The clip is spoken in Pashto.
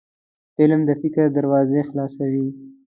فلم د فکر دروازې خلاصوي